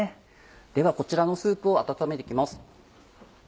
ではこちらのスープを温めて行きます。